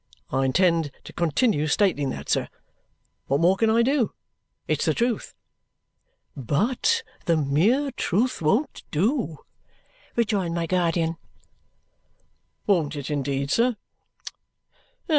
I intend to continue stating that, sir. What more can I do? It's the truth." "But the mere truth won't do," rejoined my guardian. "Won't it indeed, sir?